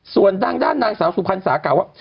ส่วนด้านนางสาวสุพรรณสากล่าวว่า